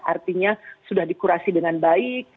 artinya sudah dikurasi dengan baik